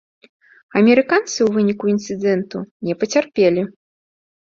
Амерыканцы ў выніку інцыдэнту не пацярпелі.